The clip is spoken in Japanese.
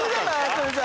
それじゃ。